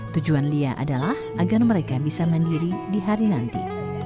tujuan lia adalah agar mereka bisa mandiri di hari nanti